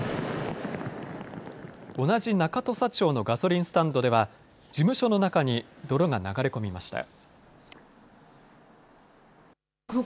同じ中土佐町のガソリンスタンドでは事務所の中に泥が流れ込みました。